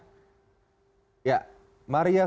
maria selamat datang